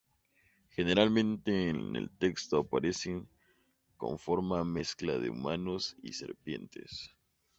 Generalmente en el texto aparecen con forma mezcla de humanos y serpientes.